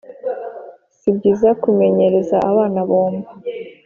Sibyiza kumenyereza abana bombo